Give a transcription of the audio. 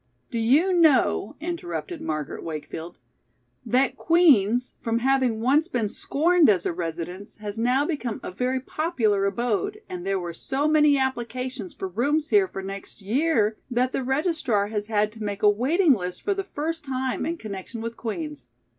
"Do you know," interrupted Margaret Wakefield, "that Queen's, from having once been scorned as a residence, has now become a very popular abode, and there were so many applications for rooms here for next year that the registrar has had to make a waiting list for the first time in connection with Queen's.